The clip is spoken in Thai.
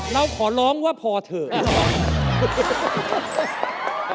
เราขอร้องว่าพอเถอะ